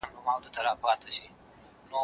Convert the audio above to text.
وي به درې کلنه ماته ښکاري میاشتنۍ